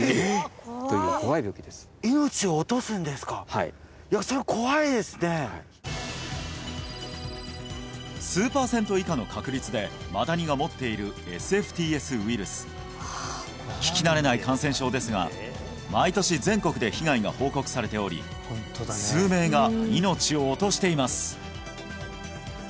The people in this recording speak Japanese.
はいいやそれ怖いですね数パーセント以下の確率でマダニが持っているＳＦＴＳウイルス聞き慣れない感染症ですが毎年全国で被害が報告されており数名が命を落としています